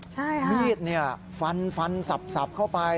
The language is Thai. ใช่ค่ะมีดฟันฟันสับเข้าไป